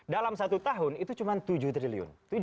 dalam satu tahun itu cuma tujuh triliun